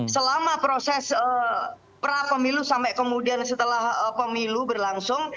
selama proses pra pemilu sampai kemudian setelah pemilu berlangsung